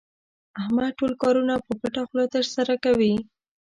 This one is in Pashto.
احمد ټول کارونه په پټه خوله ترسره کوي.